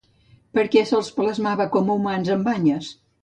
Per què se'ls plasmava com humans amb banyes?